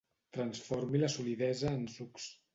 Transformi la solidesa en sucs.